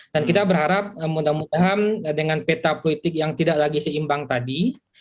dan kita berharap mudah mudahan dengan peta politik yang tidak lagi seimbang tadi